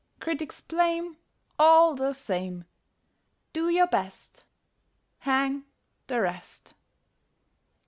Critics blame, All the same! Do your best. Hang the rest!